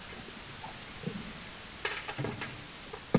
Alan spent his childhood in Paris, with its cosmopolitan influences.